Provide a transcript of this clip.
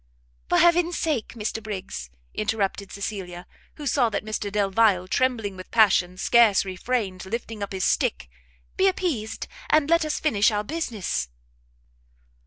"For heaven's sake, Mr Briggs," interrupted Cecilia, who saw that Mr Delvile, trembling with passion, scarce refrained lifting up his stick, "be appeased, and let us finish our business!"